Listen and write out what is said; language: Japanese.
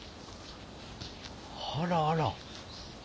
あらあら。